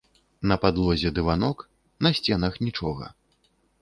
На падлозе дыванок, на сценах нічога.